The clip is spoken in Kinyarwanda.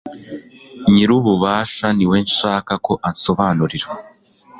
nyir'ububasha ni we nshaka ko ansobanurira